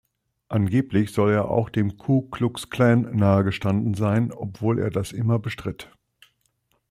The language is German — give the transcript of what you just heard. Angeblich soll er auch dem Ku-Klux-Klan nahegestanden sein, obwohl er das immer bestritt.